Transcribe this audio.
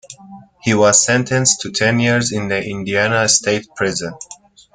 He was sentenced to ten years in the Indiana State Prison.